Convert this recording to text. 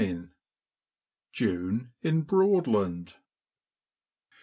JUNE IN BROADLAND.